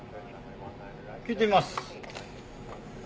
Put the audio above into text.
聞いてみます。